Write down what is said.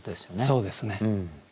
そうですね。